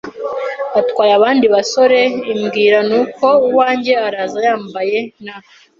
atwaye abandi basore imbwira nuko uwanjye araza yambaye, n